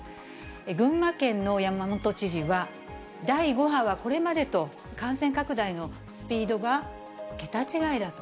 群馬県の山本知事は、第５波はこれまでと感染拡大のスピードが桁違いだと。